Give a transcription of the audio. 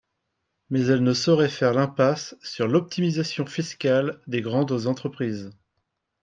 Mais elle ne saurait faire l’impasse sur l’optimisation fiscale des grandes entreprises.